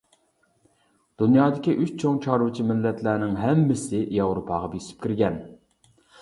دۇنيادىكى ئۈچ چوڭ چارۋىچى مىللەتلەرنىڭ ھەممىسى ياۋروپاغا بېسىپ كىرگەن.